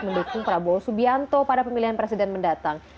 mendukung prabowo subianto pada pemilihan presiden mendatang